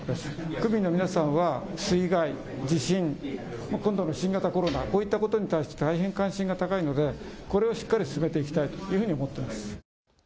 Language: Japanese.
区民の皆さんは水害、地震、今度のこの新型コロナ、こういったことに対して大変関心が高いのでこれはしっかり進めていきたいというふうに思っています。